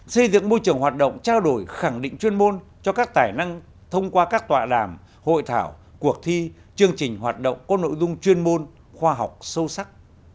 xây dựng môi trường hoạt động trao đổi khẳng định chuyên môn cho các tài năng thông qua các tọa đàm hội thảo cuộc thi chương trình hoạt động có nội dung chuyên môn khoa học sâu sắc